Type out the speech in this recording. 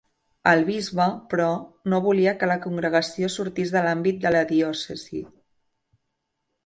El bisbe, però, no volia que la congregació sortís de l'àmbit de la diòcesi.